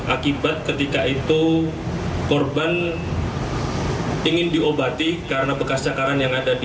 akibat ketika itu korban ingin diobati karena bekas cakaran yang ada di